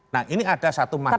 nah ini ada satu masalah